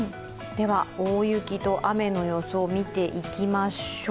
大雪と雨の予想を見ていきましょう。